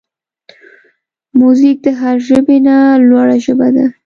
موزیک د هر ژبې نه لوړه ژبه ده.